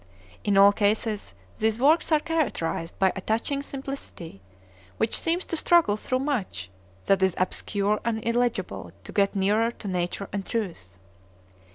In all cases these works are characterized by a touching simplicity, which seems to struggle through much, that is obscure and illegible to get nearer to nature and truth.